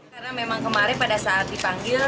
karena memang kemarin pada saat dipanggil